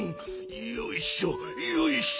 よいしょよいしょ。